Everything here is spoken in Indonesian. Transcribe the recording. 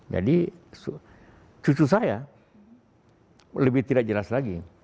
jadi cucu saya lebih tidak jelas lagi